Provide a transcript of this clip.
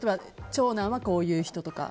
長男はこういう人とか。